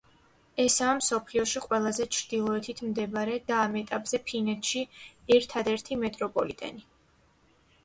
ესაა მსოფლიოში ყველაზე ჩრდილოეთით მდებარე და ამ ეტაპზე ფინეთში ერთადერთი მეტროპოლიტენი.